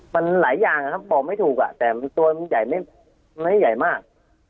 มันหลายอย่างนะครับบอกไม่ถูกแต่ตัวมันใหญ่ไม่ใหญ่มาก